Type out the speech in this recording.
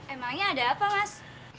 emangnya ada apa mas